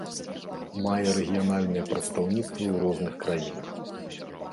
Мае рэгіянальныя прадстаўніцтвы ў розных краінах.